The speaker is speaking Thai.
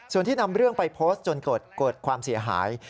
ส่วนที่นำเรื่องไปโพสต์จนเกิดความเสียหาย